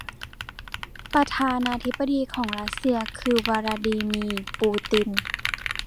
ประธานาธิบดีของรัสเซียคือ วลาดีมีร์ ปูติน